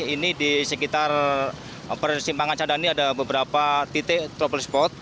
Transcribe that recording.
ini di sekitar persimpangan cadani ada beberapa titik trouble spot